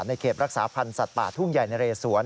เขตรักษาพันธ์สัตว์ป่าทุ่งใหญ่นะเรสวน